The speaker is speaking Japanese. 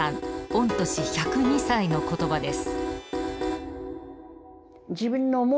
御年１０２歳の言葉です。